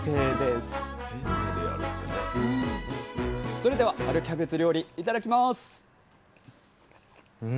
それでは春キャベツ料理いただきます！